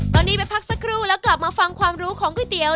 ตอนนี้ไปพักสักครู่แล้วกลับมาฟังความรู้ของก๋วยเตี๋ย